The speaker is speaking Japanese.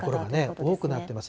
多くなっています。